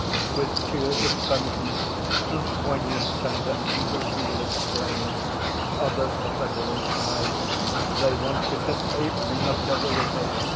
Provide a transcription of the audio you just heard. With tears of penitence and poignant, tender anguish, he will exclaim: 'Others are better than I, they wanted to save me, not to ruin me!